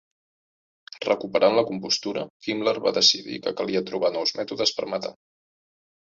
Recuperant la compostura, Himmler va decidir que calia trobar nous mètodes per matar.